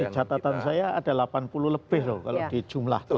itu di catatan saya ada delapan puluh lebih loh kalau di jumlah totalnya